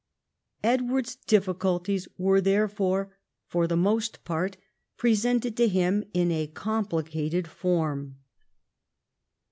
Edward's difficulties were therefore for the most part presented to him in a complicated form.